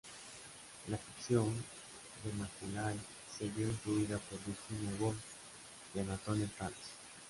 La ficción de Macaulay se vio influida por Virginia Woolf y Anatole France.